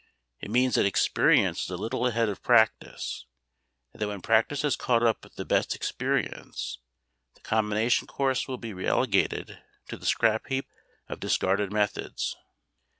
It means that experience is a little ahead of practice, and that when practice has caught up with the best experience, the combination course will be relegated to the scrap heap of discarded methods.